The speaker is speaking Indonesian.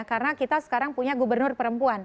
karena kita sekarang punya gubernur perempuan